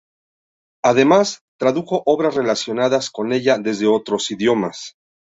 Además, tradujo obras relacionadas con ella desde otros idiomas.